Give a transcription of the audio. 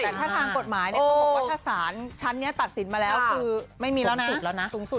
แต่ถ้าทางกฎหมายเนี่ยมันบอกว่าชะสารชั้นเนี่ยตัดสินมาแล้วคือไม่มีแล้วนะ